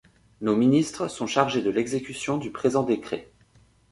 Nos ministres sont chargés de l'exécution du présent décret.